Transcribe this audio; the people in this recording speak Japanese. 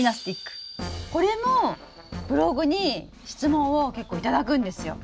これもブログに質問を結構頂くんですよ。